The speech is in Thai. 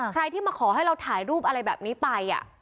ใครที่มาขอให้เราถ่ายรูปอะไรแบบนี้ไป